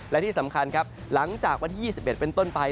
และที่สำคัญครับหลังจากวันที่๒๑เป็นต้นไป